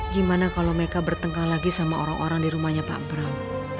gimana kalau mereka bertengkar lagi sama orang orang di rumahnya pak pram